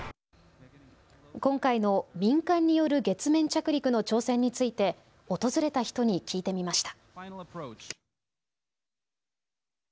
今回の民間による月面着陸の挑戦について訪れた人に聞いてみました。